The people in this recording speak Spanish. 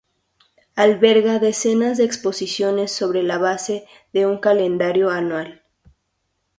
Alberga decenas de exposiciones sobre la base de un calendario anual.